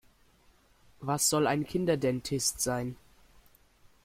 Was soll ein Kinderdentist sein?